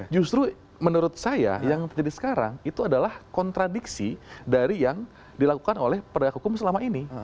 justru menurut saya yang terjadi sekarang itu adalah kontradiksi dari yang dilakukan oleh penegak hukum selama ini